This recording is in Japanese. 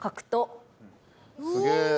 すげえ！